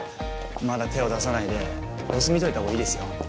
まだ手を出さないで様子見といた方がいいですよ。